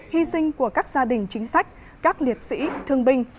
hy sinh của các gia đình chính sách các liệt sĩ thương binh